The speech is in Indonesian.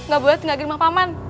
gak boleh tinggal di rumah paman